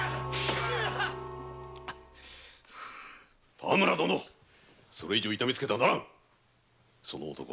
田沼殿それ以上痛めつけてはならぬその男